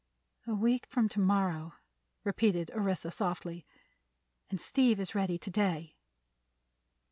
"A week from to morrow," repeated Orissa, softly. "And Steve is ready to day."